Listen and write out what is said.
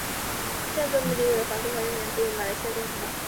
这样做的目的是为了防止华人援助马来亚共产党。